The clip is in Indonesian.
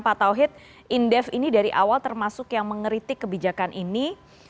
pak tauhid indef ini dari awal termasuk yang mengeritik kebijakan ini